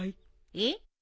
えっ？